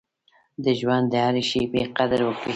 د ژوند د هرې شېبې قدر وکړئ.